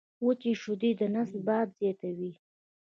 وچي شیدې د نس باد زیاتوي.